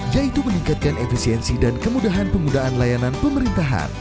yaitu meningkatkan efisiensi dan kemudahan penggunaan layanan pemerintahan